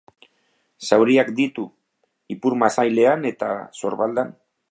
Zauriak ditu ipurmasailean eta sorbaldan.